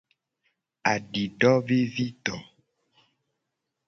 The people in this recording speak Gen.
Adidovivido.